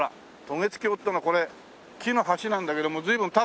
渡月橋ってのはこれ木の橋なんだけども随分経ってんのかな？